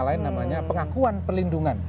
lain namanya pengakuan perlindungan